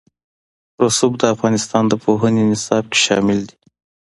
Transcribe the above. رسوب د افغانستان د پوهنې نصاب کې شامل دي.